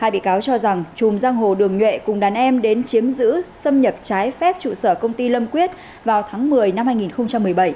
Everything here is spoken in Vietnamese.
hai bị cáo cho rằng chùm giang hồ đường nhuệ cùng đàn em đến chiếm giữ xâm nhập trái phép trụ sở công ty lâm quyết vào tháng một mươi năm hai nghìn một mươi bảy